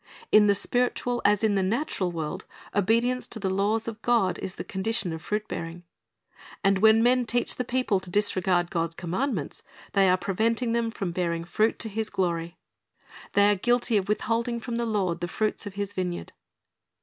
In the spiritual as in the natural world, obedience to the laws of God is the condition of fruit bearing. And when men teach the people to disregard God's commandments, they are preventing them from bearing fruit to His glory. They are 3o6 C/iri s t's Object Lessons guilty of withholding from the Lord the fruits of His vineyard.